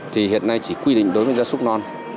thì hiện nay chỉ quy định đối với gia súc non